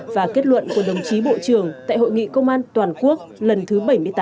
và kết luận của đồng chí bộ trưởng tại hội nghị công an toàn quốc lần thứ bảy mươi tám